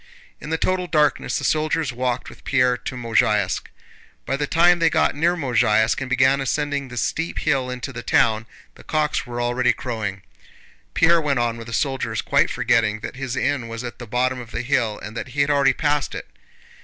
In the total darkness the soldiers walked with Pierre to Mozháysk. By the time they got near Mozháysk and began ascending the steep hill into the town, the cocks were already crowing. Pierre went on with the soldiers, quite forgetting that his inn was at the bottom of the hill and that he had already passed it.